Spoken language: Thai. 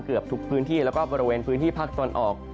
เกือบทุกพื้นที่แล้วก็บริเวณพื้นที่ภาคตะวันออก